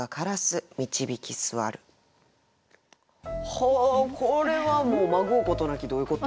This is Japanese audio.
ほうこれはもうまごうことなき「どういうこと？」。